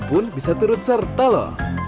pun bisa turut serta loh